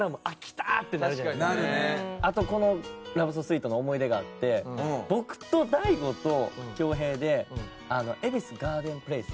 あとこの『Ｌｏｖｅｓｏｓｗｅｅｔ』の思い出があって僕と大吾と恭平で恵比寿ガーデンプレイス。